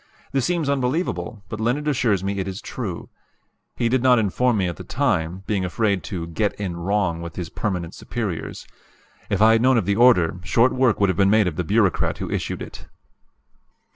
This seems unbelievable; but Leonard assures me it is true. He did not inform me at the time, being afraid to "get in wrong" with his permanent superiors. If I had known of the order, short work would have been made of the bureaucrat who issued it.